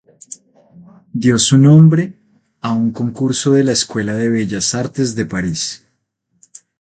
Dio su nombre a un concurso de la Escuela de Bellas Artes de París.